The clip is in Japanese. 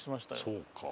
そうか。